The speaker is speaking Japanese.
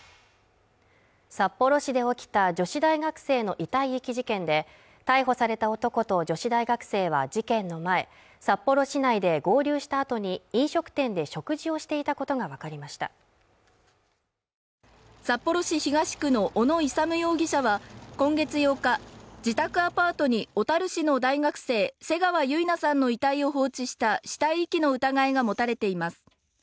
札幌市で起きた女子大学生の遺体遺棄事件で逮捕された男と女子大学生は事件の前札幌市内で合流したあとに飲食店で食事をしていたことが分かりました札幌市東区の小野勇容疑者は今月８日自宅アパートに小樽市の大学生瀬川結菜さんの遺体を放置した死体遺棄の疑いが持たれています